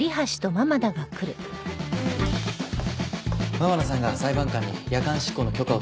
間々田さんが裁判官に夜間執行の許可を取ってくれました。